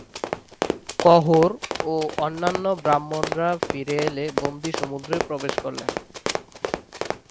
কহোড় ও অন্যান্য ব্রাহ্মণরা ফিরে এলে বন্দী সমুদ্রে প্রবেশ করলেন।